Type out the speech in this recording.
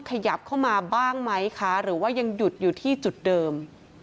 ขยับเข้ามาบ้างไหมคะหรือว่ายังหยุดอยู่ที่จุดเดิม